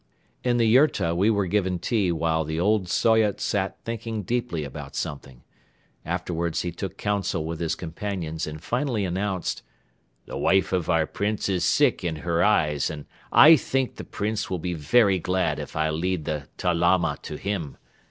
In the yurta we were given tea while the old Soyot sat thinking deeply about something. Afterwards he took counsel with his companions and finally announced: "The wife of our Prince is sick in her eyes and I think the Prince will be very glad if I lead the 'Ta Lama' to him.